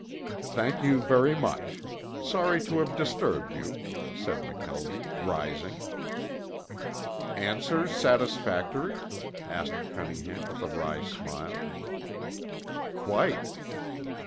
"Thank you very much. Sorry to have disturbed you," said McKelvie, rising. "Answers satisfactory?" asked Cunningham with a wry smile. "Quite."